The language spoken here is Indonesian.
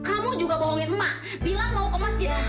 kamu juga bohongin emak bilang mau ke masjid